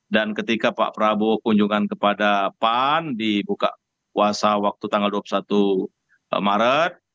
dan ketika pak prabowo kunjungan kepada pan dibuka puasa waktu tanggal dua puluh satu maret